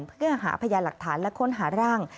เพื่อหาพยานหลักฐานและค้นหาร่าง